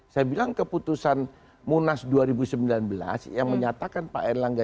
saya bilang keputusan munas dua ribu sembilan belas yang menyatakan pak erlangga